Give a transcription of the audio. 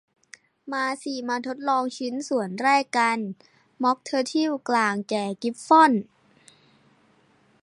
มาสิ มาทดลองชิ้นส่วนแรกกัน ม็อคเทอร์เทิลกล่างแก่กริฟฟอน